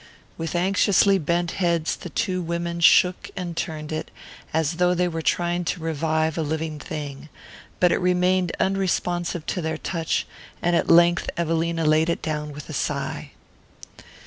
With anxiously bent heads the two women shook and turned it, as though they were trying to revive a living thing; but it remained unresponsive to their touch, and at length Evelina laid it down with a sigh.